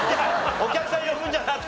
お客さん呼ぶんじゃなくて。